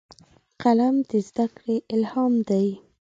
قلم د زدهکړې الهام دی